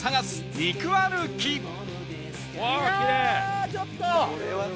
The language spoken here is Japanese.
いやあちょっと！